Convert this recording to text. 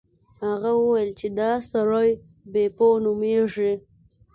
هغه وویل چې دا سړی بیپو نومیږي.